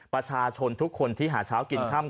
ประชาชนทุกคนที่หาเช้ากินค่ำ